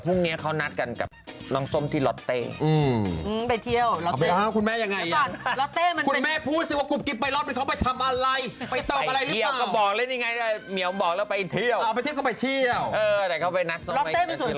เออแต่เขาไปนักสนมัยกันสิลอตเต้ลอตเต้มีส่วนสนุกมันสนุกไหมอ่ะที่หน้า